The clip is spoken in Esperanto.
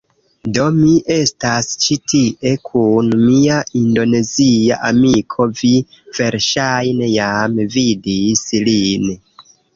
Do, mi estas ĉi tie kun mia Indonezia amiko vi verŝajne jam vidis lin